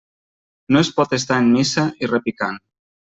No es pot estar en missa i repicant.